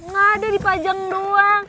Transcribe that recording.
ga ada di pajang doang